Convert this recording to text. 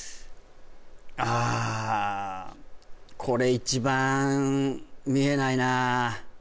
「これ一番見えないなあ」